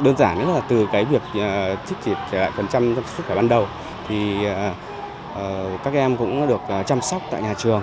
đơn giản là từ việc trở lại phần trăm sức khỏe ban đầu các em cũng được chăm sóc tại nhà trường